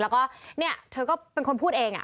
แล้วก็เธอก็เป็นคนพูดเอง